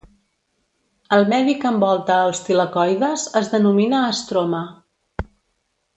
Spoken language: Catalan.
El medi que envolta als tilacoides es denomina estroma.